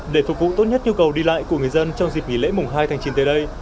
để phục vụ tốt nhất nhu cầu đi lại của người dân trong dịp nghỉ lễ mùng hai tháng chín tới đây